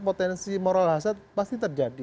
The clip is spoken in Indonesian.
potensi moral hazard pasti terjadi